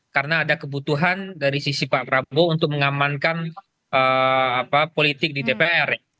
karena ada kebutuhan dari sisi pak prabowo untuk mengamankan politik di dpr